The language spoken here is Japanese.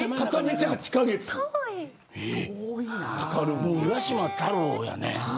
もう浦島太郎やね。